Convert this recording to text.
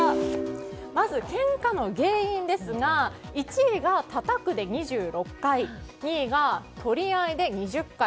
まず、けんかの原因ですが１位がたたくで２６回２位が取り合いで２０回。